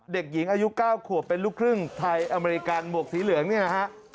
เด็กหญิงอายุ๙ขวบเป็นลูกครึ่งไทยอเมริกันหมวกสีเหลืองเนี่ยนะฮะ